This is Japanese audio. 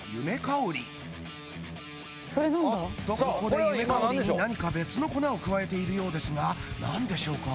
おっとここでゆめかおりに何か別の粉を加えているようですが何でしょうか？